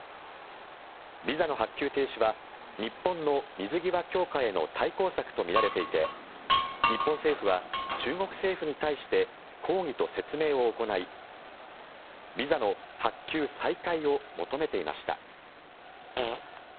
ビザの発給停止は日本の水際強化への対抗策とみていて日本政府は中国政府に対して抗議と説明を行いビザの発給再開を求めていました。